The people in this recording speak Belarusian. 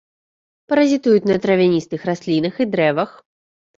Паразітуюць на травяністых раслінах і дрэвах.